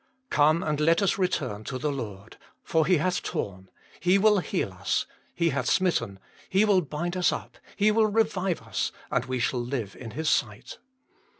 " Come and let us return to the Lord : for He hath torn, He will heal us : He hath smitten ; He will bind us up : He will revive us, and we shall live in His sight."